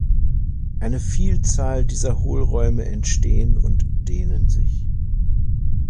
Eine Vielzahl dieser Hohlräume entstehen und dehnen sich.